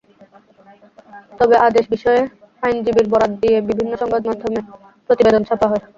তবে আদেশ বিষয়ে আইনজীবীর বরাত দিয়ে বিভিন্ন সংবাদমাধ্যমে প্রতিবেদন ছাপা হয়।